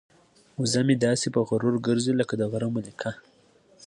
وزه مې داسې په غرور ګرځي لکه د غره ملکه.